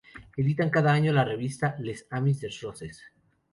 Editan cada año la revista "Les Amis des roses".